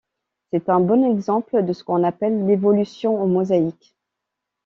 C'est un bon exemple de ce qu'on appelle l'évolution en mosaïque.